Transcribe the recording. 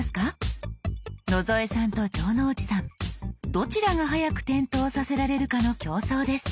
どちらが早く点灯させられるかの競争です。